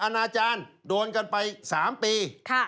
นานาจารย์โดนกันไป๓ปี